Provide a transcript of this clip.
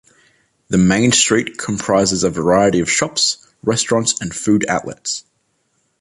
The main street comprises a variety of shops, restaurants and food outlets.